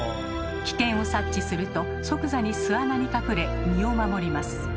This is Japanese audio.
危険を察知すると即座に巣穴に隠れ身を守ります。